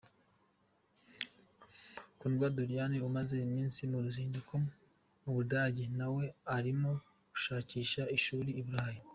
Kundwa Doriane umaze iminsi mu ruzinduko mu Budage, nawe arimo gushakisha ishuri i Burayi.